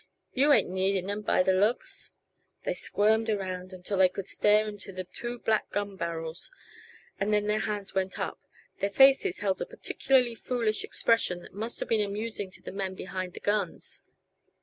You ain't needin' 'em, by the looks!" They squirmed around until they could stare into two black gun barrels and then their hands went up; their faces held a particularly foolish expression that must have been amusing to the men behind the guns.